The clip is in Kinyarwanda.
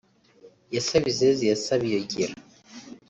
Ye Sabizeze ya Sabiyogera